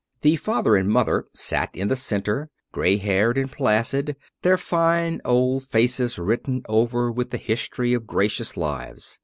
The father and mother sat in the centre, grey haired and placid, their fine old faces written over with the history of gracious lives.